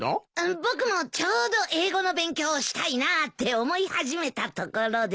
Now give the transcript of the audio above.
僕もちょうど英語の勉強をしたいなぁって思い始めたところで。